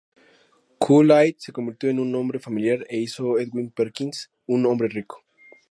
Kool-Aid se convirtió en un nombre familiar e hizo Edwin Perkins un hombre rico.